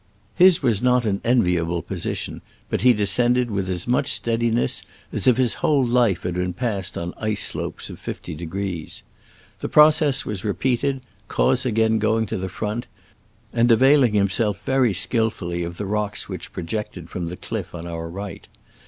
His was not an en viable position, but he descended with as much steadiness as if his whole life had been passed on ice slopes of fifty degrees. The process was repeated, Croz again going to the front, and avail ing himself very skillfully of the rocks which projected from the cliff on our right.